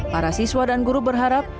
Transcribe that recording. para siswa dan guru berharap